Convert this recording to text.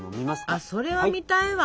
あそれは見たいわ！